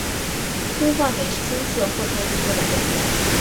硅化镁是青色或浅紫色的粉末。